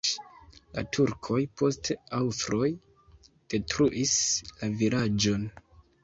La turkoj, poste aŭstroj detruis la vilaĝon.